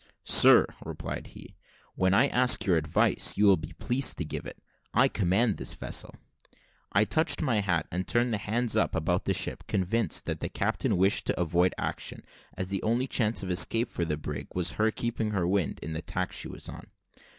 "Sir," replied he, "when I ask your advice, you will be pleased to give it. I command this vessel." I touched my hat, and turned the hands up about ship, convinced that the captain wished to avoid the action, as the only chance of escape for the brig was her keeping her wind in the tack she was on.